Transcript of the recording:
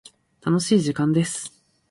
楽しい時間です。